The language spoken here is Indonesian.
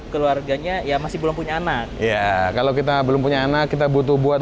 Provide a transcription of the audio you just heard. keluarganya ya masih belum punya anak ya kalau kita belum punya anak kita butuh buat